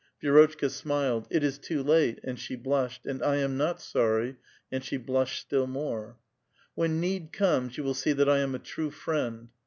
Vierotclika smiled, ''It is too late," and she blushed, "and I am not sorrv "; and she blusheil still more. " When need comes, vou will see tliat I am a true friend."